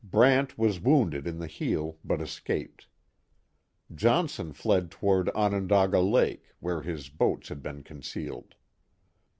Brant was wounded in the heel, but escaped. Johnson fled toward Onondaga Lake, where his boats had been concealed.